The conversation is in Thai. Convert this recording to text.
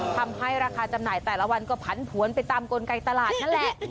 ทำให้ราคาจำหน่ายแต่ละวันก็ผันผวนไปตามกลไกตลาดนั่นแหละ